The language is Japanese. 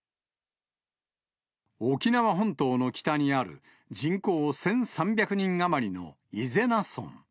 沖縄本島の北にある人口１３００人余りの伊是名村。